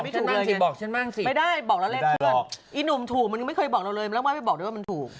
ฉันนั่งสิบอกฉันบ้างสิไม่ได้บอกแล้วเลขเพื่อนอีหนุ่มถูกมันยังไม่เคยบอกเราเลยแล้วไม่บอกด้วยว่ามันถูก